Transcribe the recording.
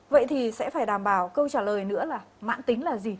vậy thì sẽ phải đảm bảo câu trả lời nữa là mạng tính là gì